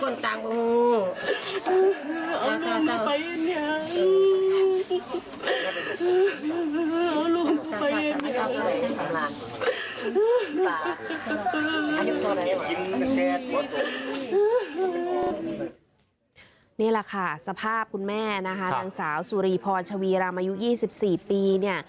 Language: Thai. นี่แหละค่ะสภาพคุณแม่นะคะนางสาวสุรีพรชวีรำอายุ๒๔ปีเนี่ย